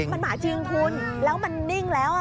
มันหมาจริงคุณแล้วมันนิ่งแล้ว